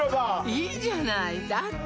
いいじゃないだって